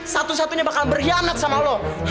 satu satunya bakal berkhianat sama allah